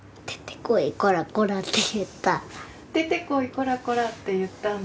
「出てこいこらこら」って言ったんだ。